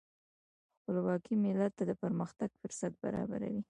خپلواکي ملت ته د پرمختګ فرصت برابروي.